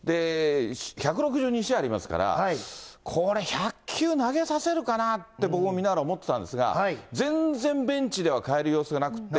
１６２試合ありますから、これ、１００球投げさせるかなって、僕も見ながら思ってたんですが、全然ベンチでは代える様子がなくて。